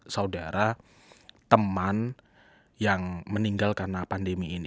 saudara teman yang meninggal karena pandemi ini